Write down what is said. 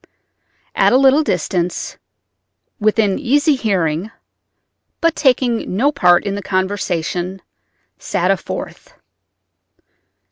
At a little distance, within easy hearing, but taking no part in the conversation, sat a fourth.